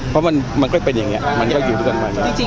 เพราะมันมันก็เป็นอย่างเงี้ยมันก็อยู่ทุกท่านมากจริงจริง